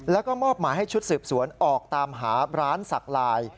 แล้วก็มอบหมายให้ชุดสืบสวนออกตามหาร้านสักลาย